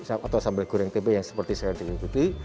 atau sambal goreng tempe yang seperti sekarang diikuti